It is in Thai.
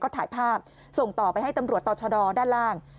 ถ่ายภาพส่งต่อไปให้ตำรวจต่อชะดอด้านล่าง